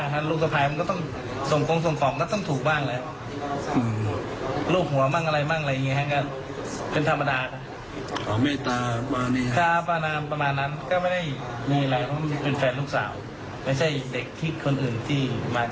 พูดเป็นการ์ตูนต้องข้อหาของลูกชายพรรคพุยาวอะไรอย่างนี้